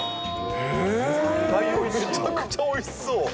へー、めちゃくちゃおいしそう。